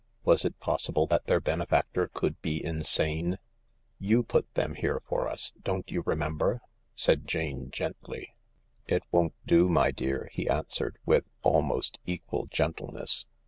Was it possible that their benefactor could be insane ?" You put them here for us— «Ion't you remember ?" said Jane gently. " It won't do, my dear," he answered with almost equaJ gentleness.